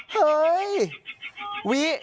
เฮ้ยวิ